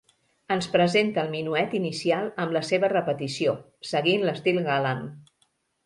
Ens presenta el minuet inicial amb la seva repetició, seguint l’estil galant.